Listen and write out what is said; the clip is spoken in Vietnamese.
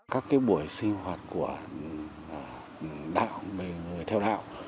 các cái buổi sinh hoạt của người theo đạo